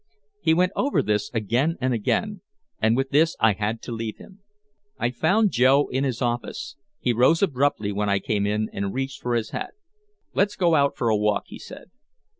He went over this again and again, and with this I had to leave him. I found Joe in his office. He rose abruptly when I came in, and reached for his hat. "Let's go out for a walk," he said.